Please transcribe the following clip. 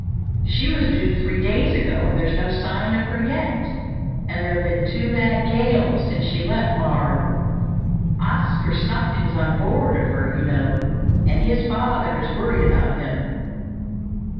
She was due three days ago and there's no sign of her yet. And there have been two bad gales since she left Morro. Oscar Stockton is on board of her, you know, and his father is worried about him.